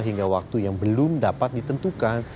hingga waktu yang belum dapat ditentukan